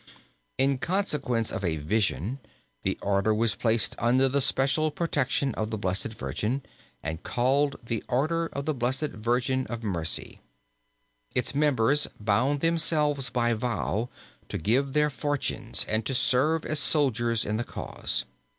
In consequence of a vision, the order was placed under the special protection of the Blessed Virgin, and called the Order of the Blessed Virgin of Mercy (Ordo. B. Mariae de Mercede). Its members bound themselves by vow to give their fortunes and to serve as soldiers in the cause.